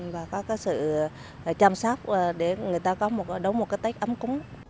và có sự chăm sóc để người ta có đấu một cái tích ấm cúng